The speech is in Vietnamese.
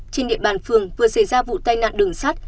trên địa bàn phường vừa xảy ra vụ tai nạn đường sắt